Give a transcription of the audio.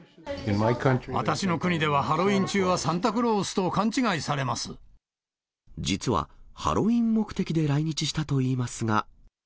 私の国ではハロウィーン中は実はハロウィーン目的で来日したといいますが。